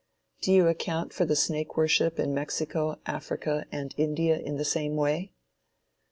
Do you account for the snake worship in Mexico, Africa and India in the same way?